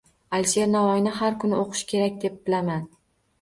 Alisher Navoiyni har kun o‘qish kerak deb bilaman.